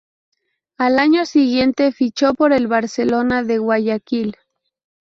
Al año siguiente fichó por el Barcelona de Guayaquil.